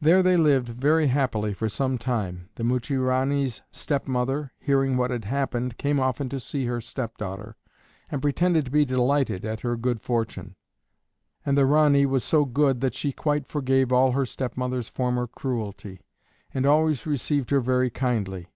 There they lived very happily for some time. The Muchie Ranee's stepmother, hearing what had happened, came often to see her stepdaughter, and pretended to be delighted at her good fortune; and the Ranee was so good that she quite forgave all her stepmother's former cruelty, and always received her very kindly.